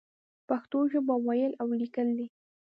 پښتو ژبه ويل او ليکل دې.